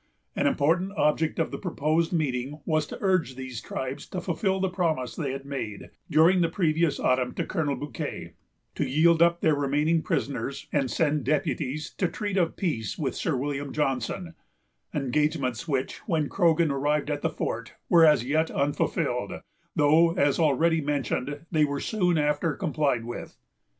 An important object of the proposed meeting was to urge these tribes to fulfil the promise they had made, during the previous autumn, to Colonel Bouquet, to yield up their remaining prisoners, and send deputies to treat of peace with Sir William Johnson; engagements which, when Croghan arrived at the fort, were as yet unfulfilled, though, as already mentioned, they were soon after complied with.